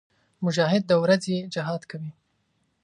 مجاهد د ورځې جهاد کوي.